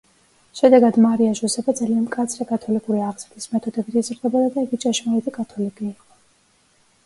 შედეგად მარია ჟოზეფა ძალიან მკაცრი კათოლიკური აღზრდის მეთოდებით იზრდებოდა და იგი ჭეშმარიტი კათოლიკე იყო.